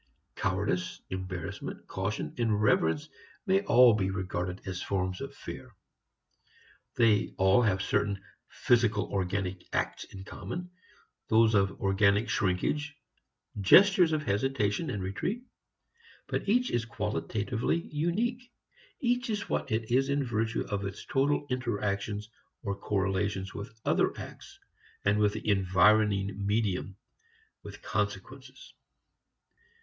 Cowardice, embarrassment, caution and reverence may all be regarded as forms of fear. They all have certain physical organic acts in common those of organic shrinkage, gestures of hesitation and retreat. But each is qualitatively unique. Each is what it is in virtue of its total interactions or correlations with other acts and with the environing medium, with consequences.